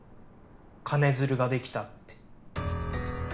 金づるができたって。